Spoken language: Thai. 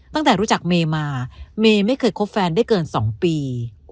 ตั้งแต่รู้จักเมย์มาเมย์ไม่เคยคบแฟนได้เกิน๒ปี